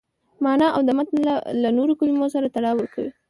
مانا او د متن له نورو کلمو سره تړاو ورکوي.